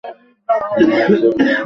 এই মুহূর্তে যাও!